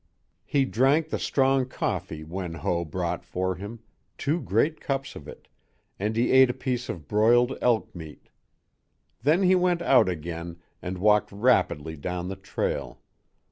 He drank the strong coffee Wen Ho brought for him, two great cups of it, and he ate a piece of broiled elk meat. Then he went out again and walked rapidly down the trail.